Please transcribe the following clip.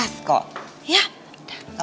atau enggak gini aja deh tante